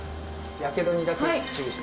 ヤケドにだけ注意して。